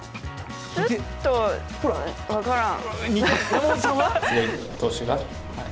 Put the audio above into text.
ちょっと、分からん。